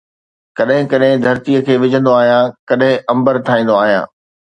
ڪڏھن ڪڏھن ڌرتيءَ کي وجھندو آھيان، ڪڏھن امبر ٺاھيندو آھيان